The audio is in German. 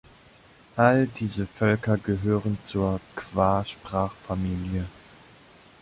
All diese Völker gehören zur Kwa-Sprachfamilie.